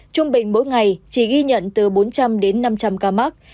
trung bình mỗi ngày chỉ ghi nhận từ bốn trăm linh đến năm trăm linh ca mắc